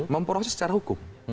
memproses secara hukum